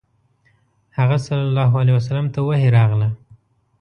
هغه ﷺ ته وحی راغله.